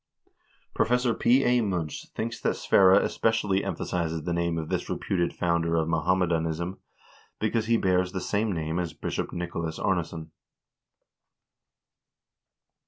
Professor P. A. Munch thinks that Sverre especially emphasizes the name of this reputed founder of Mohammedanism, because he bears the same name as Bishop Nico las Arnesson.